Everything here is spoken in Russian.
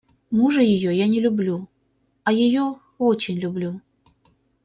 Мужа ее я не люблю, а ее очень люблю.